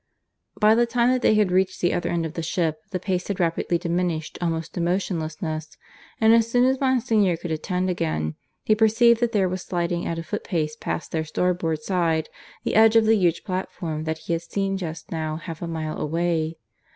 By the time that they had reached the other end of the ship, the pace had rapidly diminished almost to motionlessness; and as soon as Monsignor could attend again, he perceived that there was sliding at a footpace past their starboard side the edge of the huge platform that he had seen just now half a mile away.